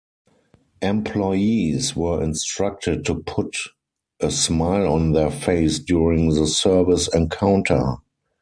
Employees were instructed to put a smile on their face during the service encounter.